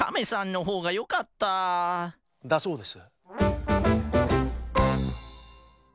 だそうです。